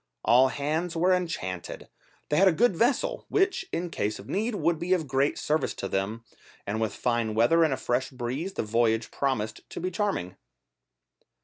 All hands were enchanted, they had a good vessel, which, in case of need, would be of great service to them, and with fine weather and a fresh breeze the voyage promised to be charming.